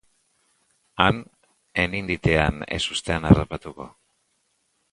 Han ez ninditean ezustean harrapatuko.